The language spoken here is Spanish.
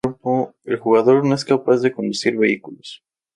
El jugador no es capaz de conducir vehículos.